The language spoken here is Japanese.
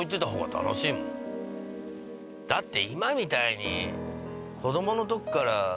だって。